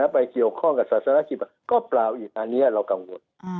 ไปเกี่ยวข้องกับศาสนกิจก็เปล่าอีกอันนี้เรากังวล